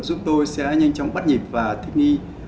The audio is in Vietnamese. giúp tôi sẽ nhanh chóng bắt nhịp và thích nghi